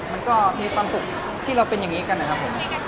มันก็มีความสุขที่เราเป็นอย่างนี้กันนะครับผม